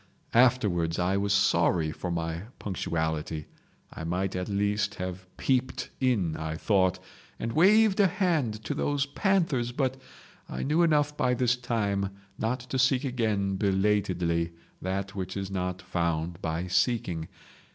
Afterwards I was sorry for my punctuality—I might at least have peeped in I thought, and waved a hand to those panthers, but I knew enough by this time not to seek again belatedly that which is not found by seeking.